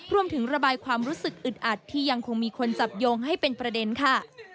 ระบายความรู้สึกอึดอัดที่ยังคงมีคนจับโยงให้เป็นประเด็นค่ะ